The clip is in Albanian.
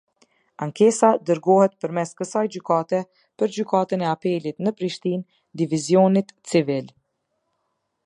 Ankesa dërgohet përmes kësaj gjykate, për gjykatën e Apelit në Prishtinë, divizionit civil.